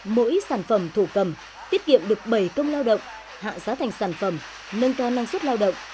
mỗi sản phẩm thổ cầm tiết kiệm được bảy công lao động hạ giá thành sản phẩm nâng cao năng suất lao động